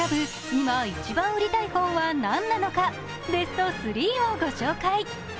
今、一番売りたい本は何なのかベスト３を御紹介。